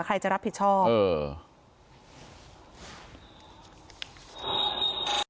ใครจะรับผิดชอบเออ